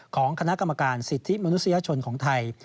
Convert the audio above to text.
ของคณะกรรมการสิทธิมนุษยชนของไทย